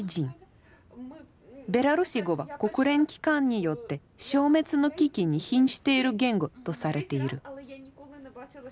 ベラルーシ語は国連機関によって消滅の危機に瀕している言語とされている。